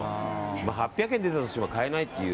８００円出てたとしても買えないという。